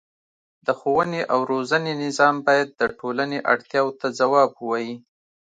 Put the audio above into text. د ښوونې او روزنې نظام باید د ټولنې اړتیاوو ته ځواب ووايي.